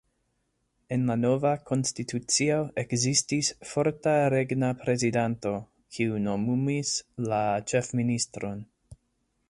En la nova konstitucio ekzistis forta regna prezidanto, kiu nomumis la ĉefministron.